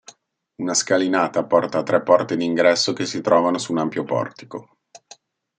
Una scalinata porta a tre porte d'ingresso che si trovano su un ampio portico.